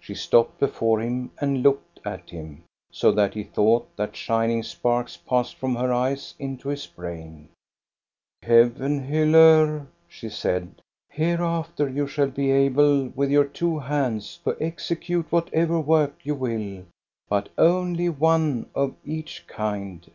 She stopped before him and looked at him, so that he thought that shining sparks passed from her eyes into his brain. "KevenhuUer," she said, "hereafter you shall be able with your two hands to execute whatever work you will, but only one of each kind."